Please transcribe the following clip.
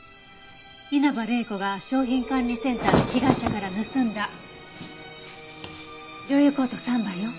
稲葉玲子が商品管理センターで被害者から盗んだ女優コート３番よ。